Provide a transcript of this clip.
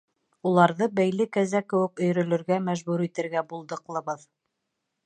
— Уларҙы бәйле кәзә кеүек өйрөләргә мәжбүр итергә булдыҡлыбыҙ.